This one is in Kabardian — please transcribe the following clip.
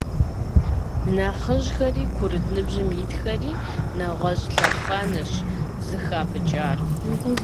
Нэхъыжьхэри курыт ныбжьым итхэри нэгъуэщӀ лъэхъэнэщ зыхапӀыкӀар.